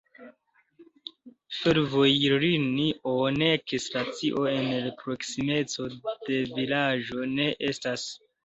Fervojlinio nek stacio en la proksimeco de vilaĝo ne estas.